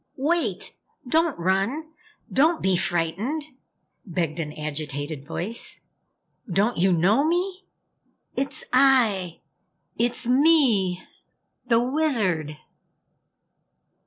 "Wait! Don't run! Don't be frightened!" begged an agitated voice. "Don't you know me? It's I! It's me! THE WIZARD!"